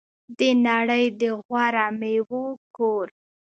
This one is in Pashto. د نړۍ د غوره میوو کور.